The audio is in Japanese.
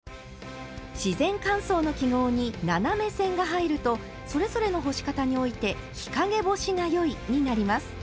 自然乾燥の記号に斜め線が入るとそれぞれの干し方において「日陰干しがよい」になります。